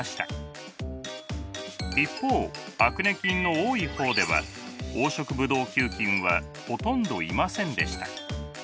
一方アクネ菌の多い方では黄色ブドウ球菌はほとんどいませんでした。